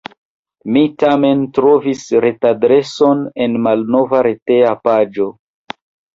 Mi tamen trovis retadreson en malnova reteja paĝo.